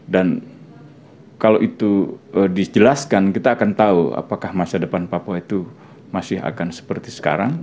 dan kalau itu dijelaskan kita akan tahu apakah masa depan papua itu masih akan seperti sekarang